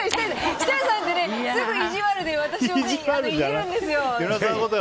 設楽さんってすぐいじわるで私をねイジるんですよ。